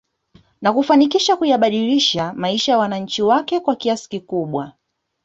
Na kufanikisha kuyabadilisha maisha ya wananchi wake kwa kiasi kikubwa